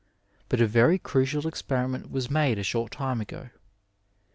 But a very crucial experiment was made a short time ago.